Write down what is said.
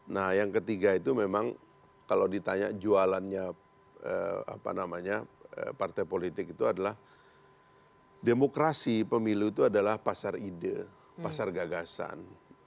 nah yang ketiga itu memang kalau ditanya jualannya partai politik itu adalah demokrasi pemilu itu adalah pasar ide pasar gagasan